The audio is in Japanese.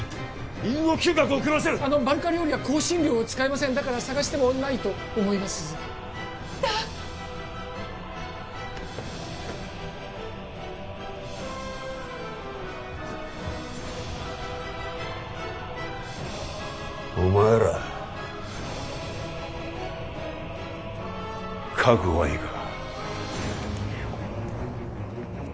犬の嗅覚を狂わせるあのバルカ料理は香辛料を使いませんだから探してもないと思いますだっお前ら覚悟はいいか？